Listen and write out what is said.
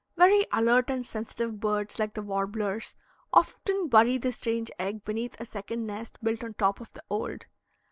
Very alert and sensitive birds like the warblers often bury the strange egg beneath a second nest built on top of the old.